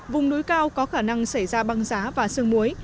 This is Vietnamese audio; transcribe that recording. vùng núi cao có khả năng xảy ra băng giá và sương muối